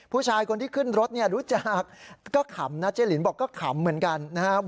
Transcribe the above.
ผู้ชายคนที่ขึ้นรถเนี่ยรู้จักก็ขำนะเจ๊หลินบอกก็ขำเหมือนกันนะครับ